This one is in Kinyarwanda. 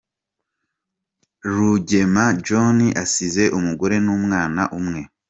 Rugema John assize umugore n’umwana umwe.